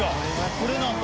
これなんだ」